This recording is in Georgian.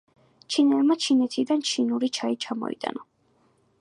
ჩინელმა ჩინეთიდან, ჩინური ჩაი ჩამოიტანა